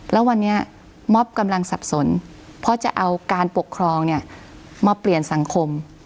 แล้ววันนี้มอบกำลังสับสนเพราะจะเอาการปกครองเนี่ยมาเปลี่ยนสังคม